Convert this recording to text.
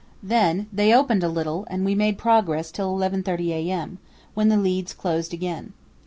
Then they opened a little and we made progress till 11.30 a.m., when the leads closed again.